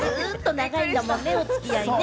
長いんだもんね、お付き合いね。